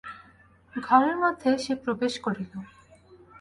ঘরের মধ্যে সে প্রবেশ করিল।